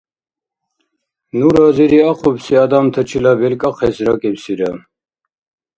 Ну разириахъубси адамтачила белкӏахъес ракӏибсира.